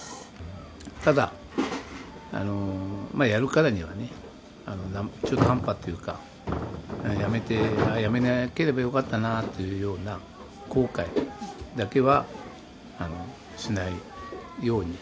ただやるからにはね中途半端というか辞めなければよかったなというような後悔だけはしないように。